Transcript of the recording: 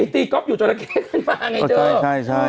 ตีก๊อฟอยู่จรเกษมันมาไงเจ้า